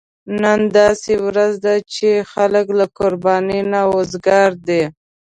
نن داسې ورځ ده چې خلک له قربانۍ نه وزګار دي.